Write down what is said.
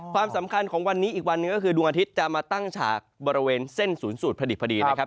ความสำคัญของวันนี้อีกวันหนึ่งก็คือดวงอาทิตย์จะมาตั้งฉากบริเวณเส้นศูนย์สูตรพอดีนะครับ